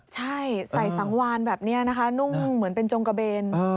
ใช่ใส่สังวานแบบนี้นะคะนุ่งเหมือนเป็นจงกระเบน